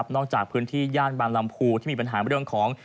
จากพื้นที่ย่านบางลำพูที่มีปัญหาเรื่องของ